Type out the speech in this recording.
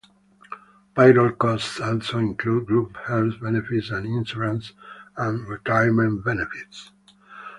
Payroll costs also include group health benefits and insurance and retirement benefits.